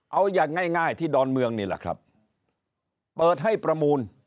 เอาอย่างง่ายง่ายที่ดอนเมืองนี่แหละครับเปิดให้ประมูล